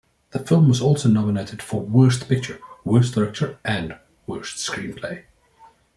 The film was also nominated for Worst Picture, Worst Director, and Worst Screenplay.